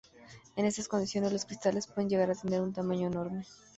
En estas condiciones, los cristales pueden llegar a tener un tamaño enorme.